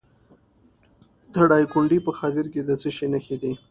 د دایکنډي په خدیر کې د څه شي نښې دي؟